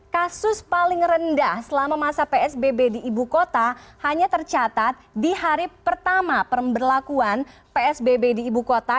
kasus paling rendah selama masa psbb di ibu kota hanya tercatat di hari pertama pemberlakuan psbb di ibu kota